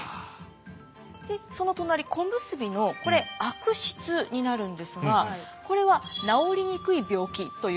でその隣小結のこれ悪疾になるんですがこれは治りにくい病気という。